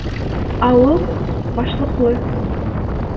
Ауыл -башлыҡлы.